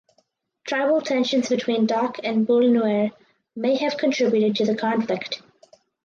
Tribal tensions between Dok and Bul Nuer may have contributed to the conflict.